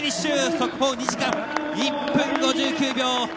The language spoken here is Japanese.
速報２時間１分５９秒。